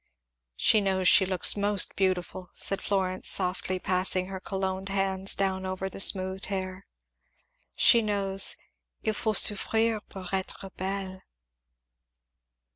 "She knows she looks most beautiful," said Florence, softly passing her cologned hands down over the smooth hair; "she knows "'Il faut souffrir pour être belle.'"